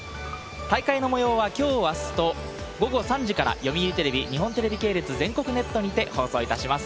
大会のもようはきょう、あすと、午後３時から読売テレビ、日本テレビ系列、全国ネットにて放送いたします。